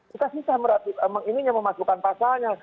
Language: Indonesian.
kita bisa memang memasukkan pasalnya